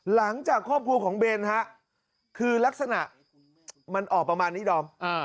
หลังจากครอบครัวของเบนฮะคือลักษณะมันออกประมาณนี้ดอม